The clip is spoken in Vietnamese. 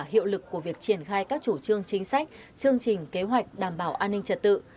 hiệu lực của việc triển khai các chủ trương chính sách chương trình kế hoạch đảm bảo an ninh trật tự